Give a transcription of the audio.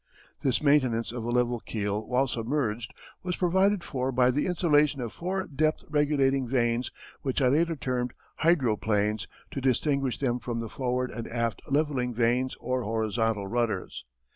This maintenance of a level keel while submerged was provided for by the installation of four depth regulating vanes which I later termed "hydroplanes" to distinguish them from the forward and aft levelling vanes or horizontal rudders.